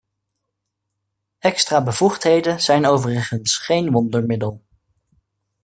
Extra bevoegdheden zijn overigens geen wondermiddel.